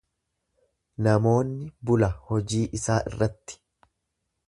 Namoonni bula hojii isaa irratti.